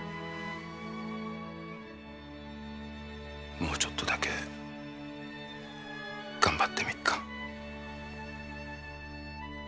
もうちょっとだけ頑張ってみっか。